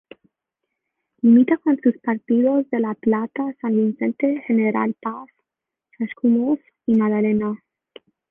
Limita con los partidos de La Plata, San Vicente, General Paz, Chascomús y Magdalena.